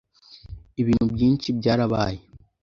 Ibintu byinshi byarabaye